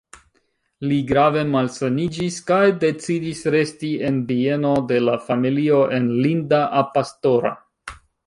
Li grave malsaniĝis kaj decidis resti en bieno de la familio en Linda-a-Pastora.